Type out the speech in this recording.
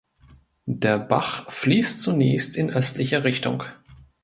Der Bach fließt zunächst in östlicher Richtung.